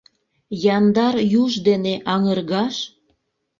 Яндар юж дене аҥыргаш?